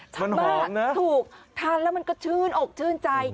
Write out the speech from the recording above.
สนุกมากนะถูกทานแล้วมันก็ชื่นอกชื่นใจ